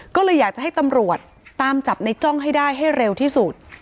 ก็เลยอยากจะให้ตำรวจตามจับในจ้องให้ได้ให้เร็วที่สุด